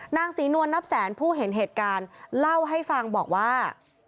นางศรีนวลนับแสนผู้เห็นเหตุการณ์เล่าให้ฟังบอกว่า